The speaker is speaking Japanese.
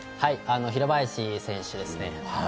平林選手ですね。